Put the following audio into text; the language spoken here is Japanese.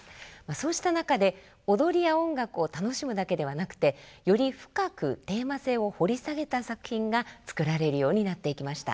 そうした中で踊りや音楽を楽しむだけではなくてより深くテーマ性を掘り下げた作品が作られるようになっていきました。